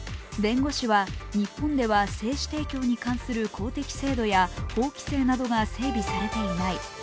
弁護士は、日本では精子提供に関する制度や法規制などが整備されていない。